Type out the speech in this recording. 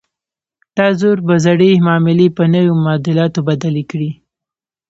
دا زور به زړې معاملې په نویو معادلاتو بدلې کړي.